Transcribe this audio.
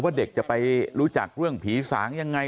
เด็กจะไปรู้จักเรื่องผีสางยังไง